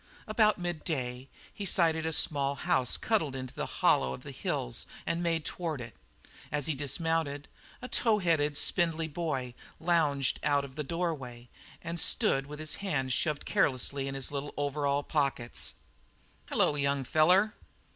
About midday he sighted a small house cuddled into a hollow of the hills and made toward it. As he dismounted, a tow headed, spindling boy lounged out of the doorway and stood with his hands shoved carelessly into his little overall pockets. "Hello, young feller."